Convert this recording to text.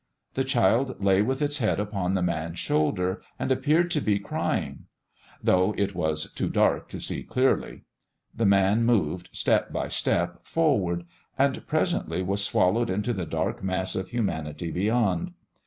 The child lay with its head upon the man's shoulder and appeared to be crying, though it was too dark to see clearly. The man moved, step by step, forward, and presently was swallowed into the dark mass of humanity beyond.